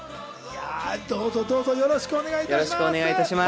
どうぞどうぞよろしくお願いいたします。